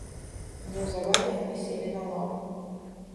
Неўзабаве яны селі на лаўку.